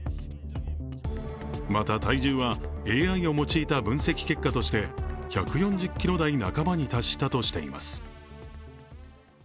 また、体重はＡＩを用いた分析結果として１４０ｋｇ台半ばに達したとしています